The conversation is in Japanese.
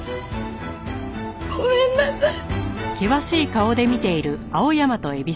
ごめんなさい。